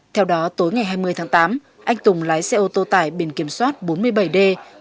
theo đó tối ngày hai mươi tháng tám anh tùng lái xe ô tô tải biển kiểm soát bốn mươi bảy d chín nghìn một trăm hai mươi tám